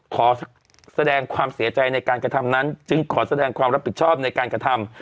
ขอแสดงความเสียใจในการกระทำนั้นจึงขอแสดงความรับผิดชอบในการกระทำ